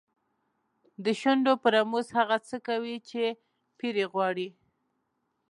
د شونډو په رموز هغه څه کوي چې پیر یې غواړي.